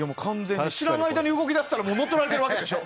知らない間に動き出したら乗っ取られてるわけでしょ。